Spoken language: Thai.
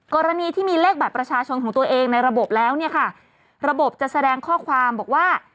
กรณีที่มีเลขบัตรประชาชนของตัวเองในระบบแล้วเนี่ยค่ะระบบจะแสดงข้อความบอกว่า